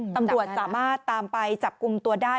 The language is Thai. ตำรวจสามารถตามไปจับกลุ่มตัวได้